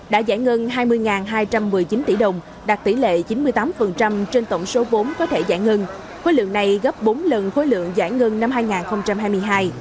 đã giải ngân hai mươi hai trăm một mươi chín tỷ đồng đạt tỷ lệ chín mươi tám trên tổng số vốn có thể giải ngân khối lượng này gấp bốn lần khối lượng giải ngân năm hai nghìn hai mươi hai